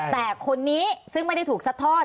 แต่คนนี้ซึ่งไม่ได้ถูกซัดทอด